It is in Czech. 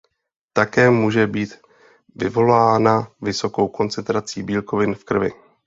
Také může být vyvolaná vysokou koncentrací bílkovin v krvi.